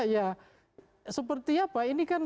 ya seperti apa ini kan